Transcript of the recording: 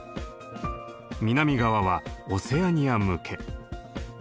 南側はオセアニア向け。